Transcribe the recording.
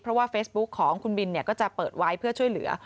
เพราะว่าเฟซบุ๊คของคุณบินก็จะเปิดไว้เพื่อช่วยเหลือ